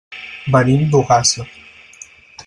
Venim d'Ogassa.